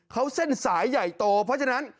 เขาเส้นสายใหญ่โตเพราะฉะนั้น